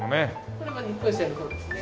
これが日本郵船の方ですね。